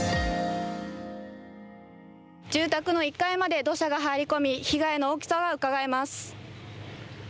住宅の１階まで土砂が入り込み被害の大きさがうかがえます。